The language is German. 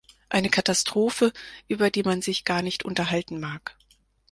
Eine Katastrophe, über die man sich gar nicht unterhalten mag.